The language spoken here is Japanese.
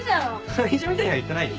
怪獣みたいには言ってないよ。